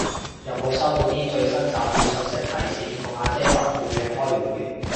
有冇收到啲最新詐騙訊息係市建局阿姐吩咐約開會